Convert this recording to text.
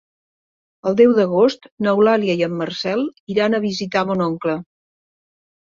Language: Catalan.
El deu d'agost n'Eulàlia i en Marcel iran a visitar mon oncle.